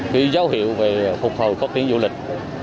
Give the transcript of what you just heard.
cái dấu hiệu về phục hồi phát triển du lịch